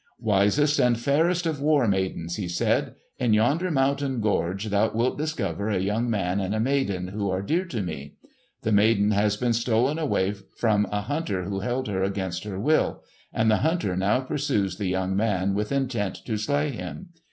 "Wisest and fairest of War Maidens," he said, "in yonder mountain gorge thou wilt discover a young man and a maiden who are dear to me. The maiden has been stolen away from a hunter who held her against her will, and the hunter now pursues the young man with intent to slay him.